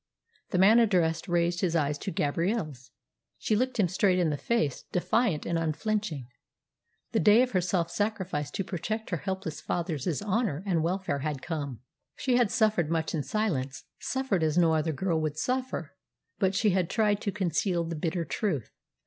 The man addressed raised his eyes to Gabrielle's. She looked him straight in the face, defiant and unflinching. The day of her self sacrifice to protect her helpless father's honour and welfare had come. She had suffered much in silence suffered as no other girl would suffer; but she had tried to conceal the bitter truth.